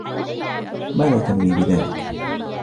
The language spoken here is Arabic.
ماذا تنوي بذلك؟